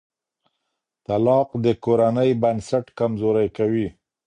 طلاق د کورنۍ بنسټ کمزوری کوي.